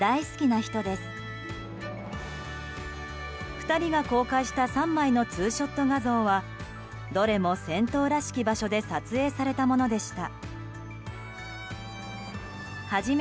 ２人が公開した３枚のツーショット画像はどれも銭湯らしき場所で撮影されたものでした。